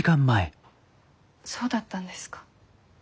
そうだったんですか。